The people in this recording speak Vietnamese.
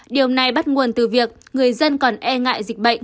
điều này bắt nguồn từ việc người dân còn e ngại dịch bệnh